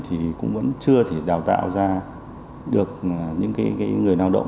thì cũng vẫn chưa thể đào tạo ra được những người lao động